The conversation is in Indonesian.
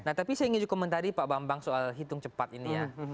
nah tapi saya ingin komentari pak bambang soal hitung cepat ini ya